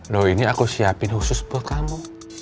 loh ini aku siapin khusus buat kamu